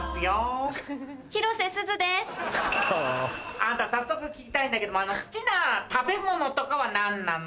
あなた早速聞きたいんだけども好きな食べ物とかは何なの？